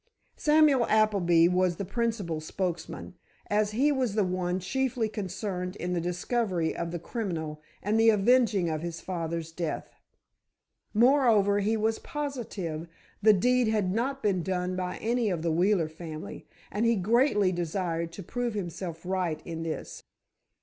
Samuel Appleby was the principal spokesman, as he was the one chiefly concerned in the discovery of the criminal and the avenging of his father's death. Moreover, he was positive the deed had not been done by any one of the Wheeler family, and he greatly desired to prove himself right in this.